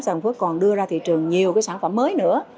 sàn góc phước còn đưa ra thị trường nhiều sản phẩm mới nữa